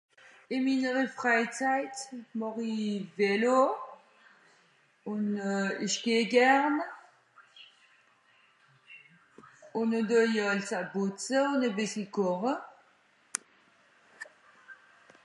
ìn minnere Freizeit màch'i vélo ùn euh isch geh gern ùn nò deuje àls àw pùtze ùn à bìssel Kòche